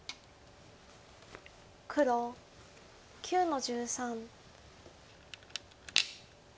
黒９の十三。